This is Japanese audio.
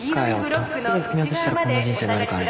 どこで踏み外したらこんな人生なるかね。